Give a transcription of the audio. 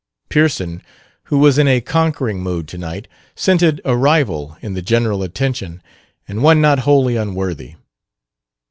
Pearson, who was in a conquering mood tonight, scented a rival in the general attention, and one not wholly unworthy.